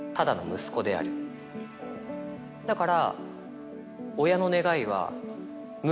「だから」。